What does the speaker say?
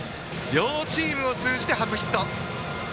両チームを通じて初ヒット。